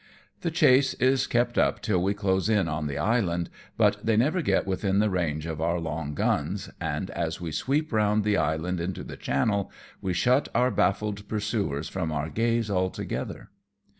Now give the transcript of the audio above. The chase is kept up till we close in on the island, but they never get within the range of our long guns, and as we sweep round the island into the channel, we shut our bafiled pursuers from our gaze altogether.